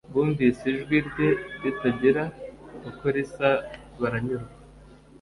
bumvise ijwi rye ritagira uko risa baranyurwa.